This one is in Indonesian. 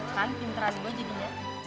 kan pinteran gue jadinya